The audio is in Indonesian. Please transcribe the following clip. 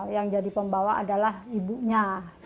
yang jadi pembawa adalah ibunya